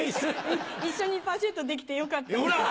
一緒にパシュートできてよかったです。